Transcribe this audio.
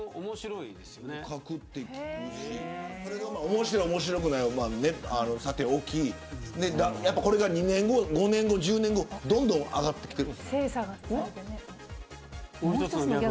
面白い、面白くないはさておきこれが２年後、５年後、１０年後どんどん上がってきている。